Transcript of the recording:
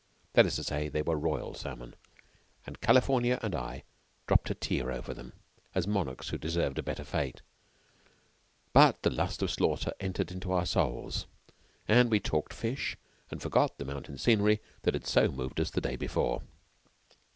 That is to say, they were royal salmon, and California and I dropped a tear over them, as monarchs who deserved a better fate; but the lust of slaughter entered into our souls, and we talked fish and forgot the mountain scenery that had so moved us a day before.